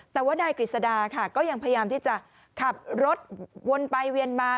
แต่ว่านายกฤษดาค่ะก็ยังพยายามที่จะขับรถวนไปเวียนมา